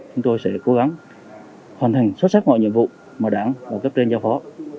hoàn thành xuất sắc mọi nhiệm vụ mà đảng và cấp trên giao phó